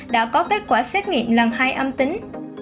đã có kết quả xét nghiệm lần hai âm tính